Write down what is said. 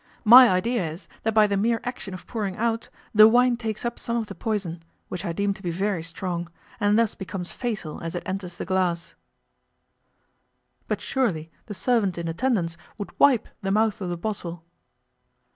My idea is that by the mere action of pouring out the wine takes up some of the poison, which I deem to be very strong, and thus becomes fatal as it enters the glass.' 'But surely the servant in attendance would wipe the mouth of the bottle?